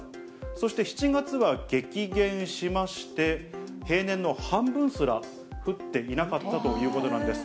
そして７月は激減しまして、平年の半分すら降っていなかったということなんです。